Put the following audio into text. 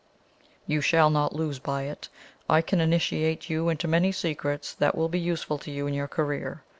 "You shall not lose by it. I can initiate you into many secrets that will be useful to you in your career.